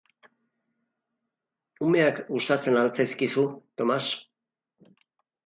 Umeak gustatzen al zaizkizu, Tomas?